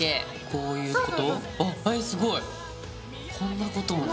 こういうこと？